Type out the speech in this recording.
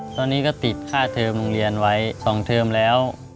ตอนนี้ก็ติดค่าเทอมโรงเรียนไว้๒เทอมแล้ว